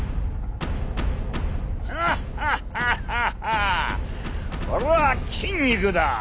「ワッハッハッハッハ俺は筋肉だ！